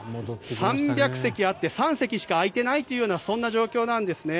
３００席あって３席しか空いていないというような状況なんですね。